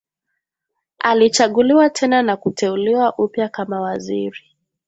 Alichaguliwa tena na kuteuliwa upya kama waziri